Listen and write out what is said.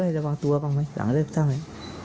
เราได้ระวังตัวบ้างไหมหลังเรียบตั้งไหม